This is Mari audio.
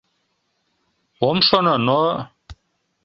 Ом шоно, но...